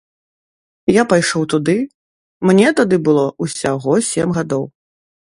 Я пайшоў туды, мне тады было ўсяго сем гадоў.